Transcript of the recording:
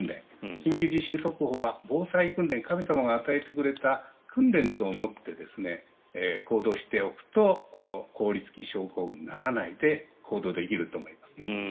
緊急地震速報は防災訓練で神様が与えてくれた訓練と思って行動しておくとこの凍りつき症候群にならないで行動できると思いますね。